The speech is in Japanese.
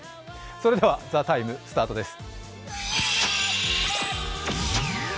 それでは「ＴＨＥＴＩＭＥ，」スタートです。